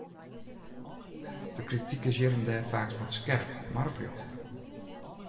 De krityk is hjir en dêr faaks wat skerp, mar oprjocht.